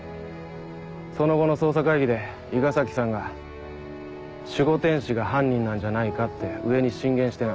その後の捜査会議で伊賀崎さんが守護天使が犯人なんじゃないかって上に進言してな。